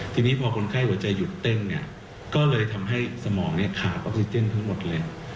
ทีนี้พอคนไข้หัวใจหยุดเต้นเนี่ยก็เลยทำให้สมองเนี่ยขาดออกซิเจนทั้งหมดเลย